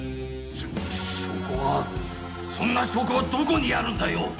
しょ証拠はそんな証拠はどこにあるんだよ！